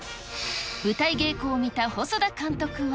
舞台稽古を見た細田監督は。